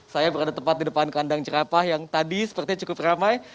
saya berada tepat di depan kandang jerapah yang tadi sepertinya cukup ramai